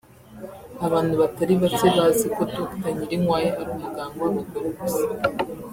Abantu batari bacye bazi ko Dr Nyirinkwaya ari umuganga w’abagore gusa